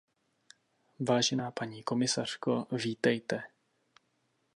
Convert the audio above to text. Vážená paní komisařko, vítejte.